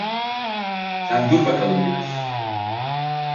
Sen dur bakalım biraz.